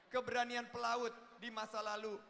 keberanian pelaut di masa lalu